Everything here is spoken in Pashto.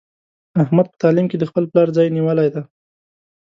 احمد په تعلیم کې د خپل پلار ځای نیولی دی.